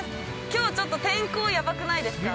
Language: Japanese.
今日ちょっと、天候ヤバくないですか。